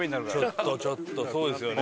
ちょっとちょっとそうですよね